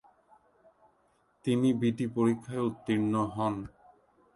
তিনি বিটি পরীক্ষায় উত্তীর্ণ হন।